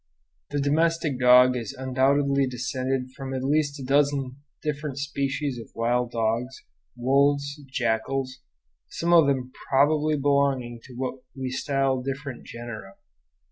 The domestic dog is undoubtedly descended from at least a dozen different species of wild dogs, wolves, and jackals, some of them probably belonging to what we style different genera.